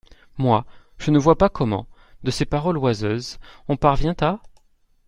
Moi, je ne vois pas comment, de ces paroles oiseuses, on parvient à…